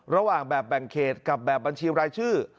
ระหว่างแบบแบ่งเขตกับแบบบัญชีรายชื่อ